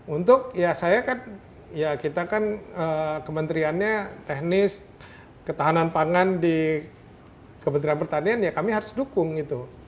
untuk ya saya kan ya kita kan kementeriannya teknis ketahanan pangan di kementerian pertanian ya kami harus dukung gitu